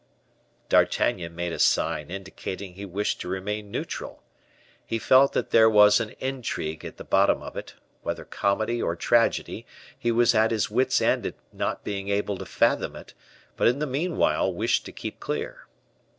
D'Artagnan made a sign indicating that he wished to remain neutral. He felt that there was an intrigue at the bottom of it, whether comedy or tragedy; he was at his wit's end at not being able to fathom it, but in the meanwhile wished to keep clear.